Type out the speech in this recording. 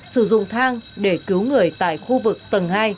sử dụng thang để cứu người tại khu vực tầng hai